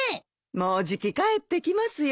もうじき帰ってきますよ。